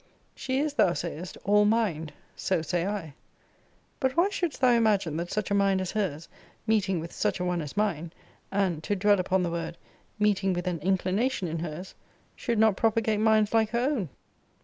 She is, thou sayest, all mind. So say I. But why shouldst thou imagine that such a mind as hers, meeting with such a one as mine, and, to dwell upon the word, meeting with an inclination in hers, should not propagate minds like her own?